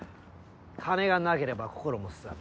金がなければ心も荒む。